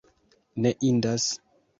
Ne indas.